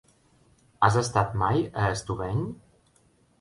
Has estat mai a Estubeny?